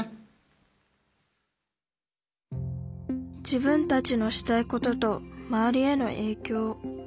自分たちのしたいことと周りへのえいきょう。